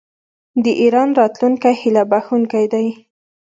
د ایران راتلونکی هیله بښونکی دی.